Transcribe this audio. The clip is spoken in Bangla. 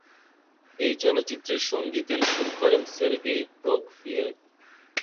এই চলচ্চিত্রের সঙ্গীতের সুর করেন সের্গেই প্রকফিয়েভ।